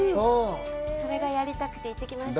それがやりたくて行ってきました。